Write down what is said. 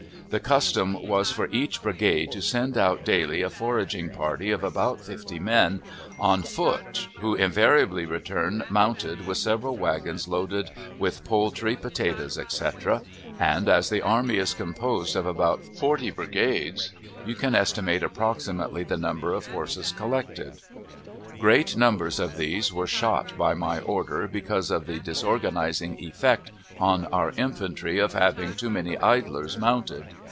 The custom was for each brigade to send out daily a foraging party of about fifty men, on foot, who invariably returned mounted, with several wagons loaded with poultry, potatoes, etc., and as the army is composed of about forty brigades, you can estimate approximately the number of horses collected. Great numbers of these were shot by my order, because of the disorganizing effect on our infantry of having too many idlers mounted.